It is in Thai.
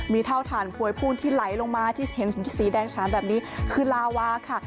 มีเท่าฐานพวยพุ่งที่ไหลลงมาที่เห็นสีแดงฉามแบบนี้คือลาวาค่ะ